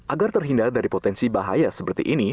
agar terhindar dari potensi bahaya seperti ini